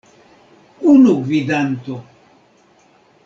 Unu gvidanto!